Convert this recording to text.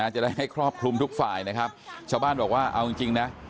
จะได้ให้ครอบคลุมทุกฝ่ายนะครับชาวบ้านบอกว่าเอาจริงจริงนะ